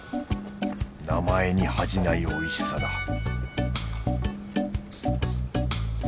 名前に恥じないおいしさだ